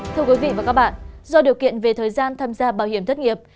thưa quý vị và các bạn do điều kiện về thời gian tham gia bảo hiểm thất nghiệp